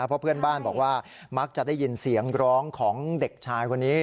เพราะเพื่อนบ้านบอกว่ามักจะได้ยินเสียงร้องของเด็กชายคนนี้